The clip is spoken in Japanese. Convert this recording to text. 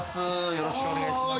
よろしくお願いします。